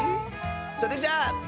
それじゃあ。